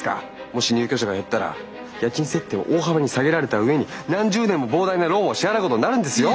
もし入居者が減ったら家賃設定を大幅に下げられた上に何十年も膨大なローンを支払うことになるんですよ。